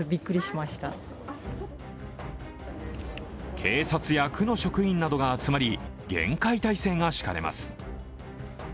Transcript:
警察や区の職員などが集まり厳戒態勢が敷かれます。